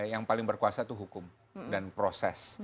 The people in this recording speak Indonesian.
yang paling berkuasa itu hukum dan proses